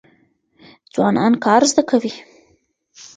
ځوانان کار زده کوي.